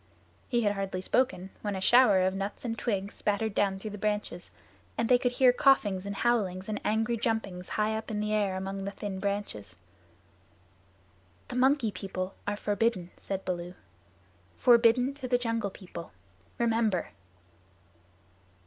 He had hardly spoken when a shower of nuts and twigs spattered down through the branches; and they could hear coughings and howlings and angry jumpings high up in the air among the thin branches. "The Monkey People are forbidden," said Baloo, "forbidden to the Jungle People. Remember."